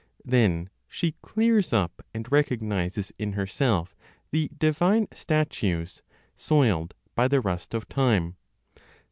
Then she clears up and recognizes in herself the divine statues, soiled by the rust of time.